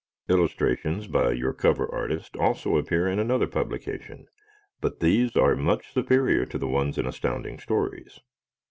Illustrations by your cover artist also appear in another publication, but these are much superior to the ones in Astounding Stories.